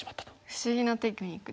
不思議なテクニックですね。